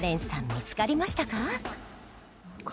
見つかりましたか？